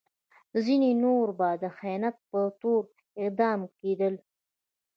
ځینې نور به د خیانت په تور اعدام کېدل.